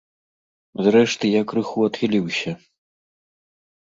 Зрэшты, я крыху адхіліўся.